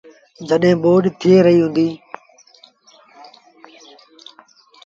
جڏهيݩ ٻوڏ ٿئي رهيٚ هُݩديٚ ۔